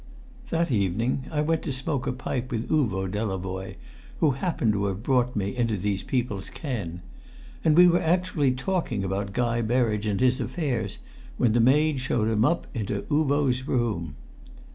That evening I went to smoke a pipe with Uvo Delavoye, who happened to have brought me into these people's ken. And we were actually talking about Guy Berridge and his affairs when the maid showed him up into Uvo's room.